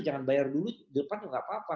jangan bayar dulu depan juga nggak apa apa